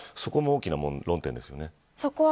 そこも大きな論点ですよね。